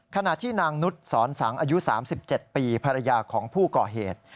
ขณะที่นางนุษย์สอนสังอายุ๓๗ปีภรรยาของผู้ก่อเหตุ